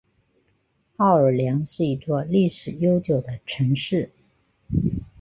奥尔良是一座历史悠久的城市。